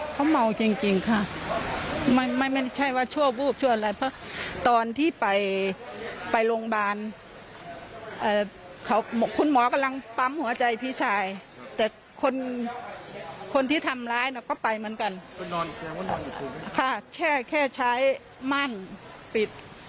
แค่ใช้มั่นปิด